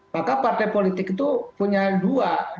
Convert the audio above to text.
maka partai politik itu punya dua